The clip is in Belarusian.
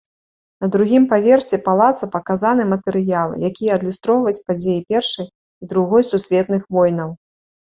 На другім паверсе палаца паказаны матэрыялы, якія адлюстроўваюць падзеі першай і другой сусветных войнаў.